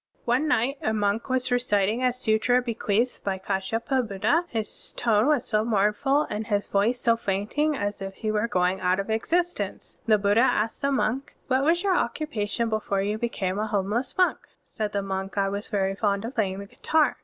(34) One night a monk was reciting a sutra bequeathed by KAshyapabuddha. His tone was so moumftd, and his voice so fainting, as if he were going out of existence. The Buddha asked the monk, "What was your occupation before you became a homeless monk?*' Said the monk, "I was very fond of playing the guitar."